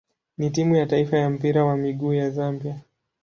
na timu ya taifa ya mpira wa miguu ya Zambia.